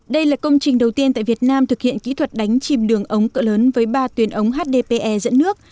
đây là công trình đầu tiên tại việt nam thực hiện kỹ thuật đánh chìm đường ống cỡ lớn với ba tuyến ống hdpe dẫn nước